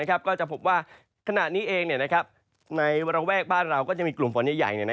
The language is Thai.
ก็จะพบว่าขณะนี้เองในระแวกบ้านเราก็จะมีกลุ่มฝนใหญ่